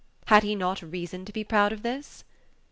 Had he not reason to be proud of this?